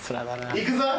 行くぞ？